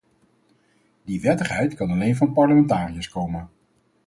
Die wettigheid kan alleen van parlementariërs komen.